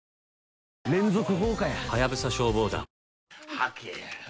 はけ！